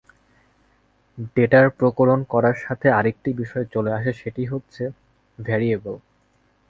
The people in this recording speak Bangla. ডেটার প্রকরন করার সাথে আরেকটি বিষয় চলে আসে সেটি হচ্ছে ভ্যারিয়েবল।